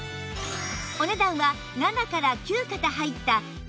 お値段は７から９肩入った １．４